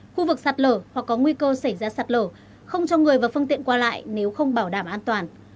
khu vực sạt lở hoặc có nguy cơ xảy ra sạt lở không cho người và phương tiện qua lại nếu không bảo đảm an toàn